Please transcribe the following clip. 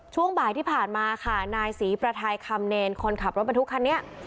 ช่วงบ่ายที่ผ่านมาค่ะนายศรีประทายคำเนรคนขับรถบรรทุกคันนี้